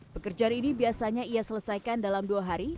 pekerjaan ini biasanya ia selesaikan dalam dua hari